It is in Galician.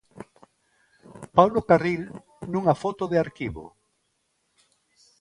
Paulo Carril, nunha foto de arquivo.